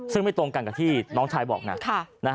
ซึ่งไม่ตรงกันกับที่น้องชายบอกนะ